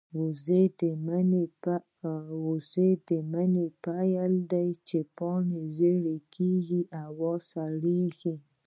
وږی د مني پیل دی، چې پاڼې ژېړې کېږي او هوا سړه کېږي.